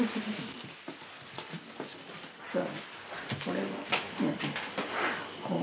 これは何？